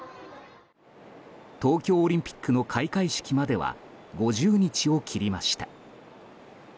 東京オリンピックの開会式までは５０日を切りました。